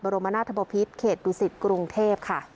บรมนาฏภพิษฐ์เขตดุสิทธิ์กรุงเทพฯค่ะ